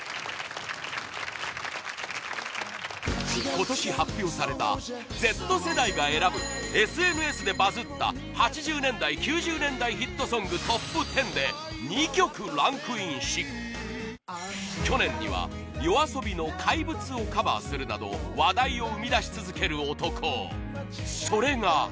今年発表された Ｚ 世代が選ぶ ＳＮＳ でバズった８０年代・９０年代ヒットソングトップ１０で２曲ランクインし去年には ＹＯＡＳＯＢＩ の「怪物」をカバーするなど話題を生み出し続ける男それが